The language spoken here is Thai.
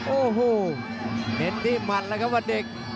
โอ้โหเห็นที่หัดแล้วครับว่าเด็ก